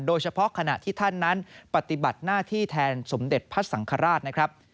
เฉพาะขณะที่ท่านนั้นปฏิบัติหน้าที่แทนสมเด็จพระสังฆราชนะครับ